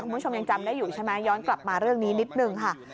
คุณผู้ชมยังจำได้อยู่ใช่ไหมย้อนกลับมาเรื่องนี้นิดนึงค่ะ